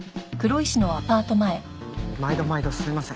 毎度毎度すいません。